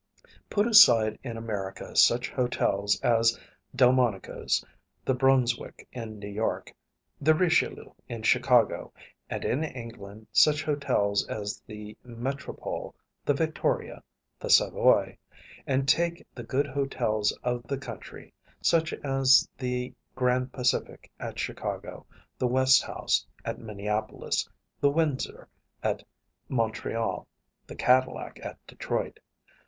Put aside in America such hotels as Delmonico's, the Brunswick in New York; the Richelieu in Chicago; and in England such hotels as the Metrop√īle, the Victoria, the Savoy; and take the good hotels of the country, such as the Grand Pacific at Chicago; the West House at Minneapolis, the Windsor at Montreal, the Cadillac at Detroit.